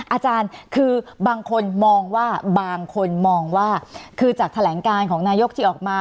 อาจารย์คือบางคนมองว่าบางคนมองว่าคือจากแถลงการของนายกที่ออกมา